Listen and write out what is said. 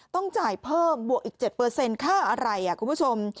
ต้องจ่ายเพิ่มบวกอีก๗ค่าอะไรคุณผู้ชม